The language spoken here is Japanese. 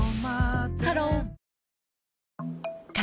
ハロー風